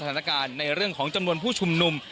สถานการณ์ในเรื่องของจำนวนผู้ชุมนุม